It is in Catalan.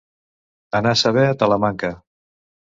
Anar a saber a Talamanca.